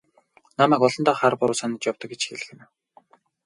Намайг олондоо хар буруу санаж явдаг гэж хэлэх нь үү?